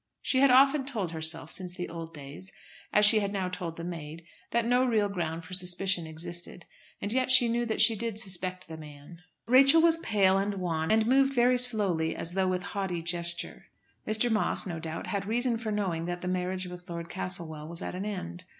She had often told herself, since the old days, as she had now told the maid, that no real ground for suspicion existed; and yet she knew that she did suspect the man. Rachel was pale and wan, and moved very slowly as though with haughty gesture. Mr. Moss, no doubt, had reason for knowing that the marriage with Lord Castlewell was at an end.